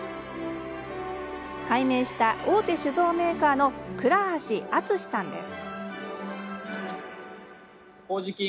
解明した、大手酒造メーカーの倉橋敦さんです。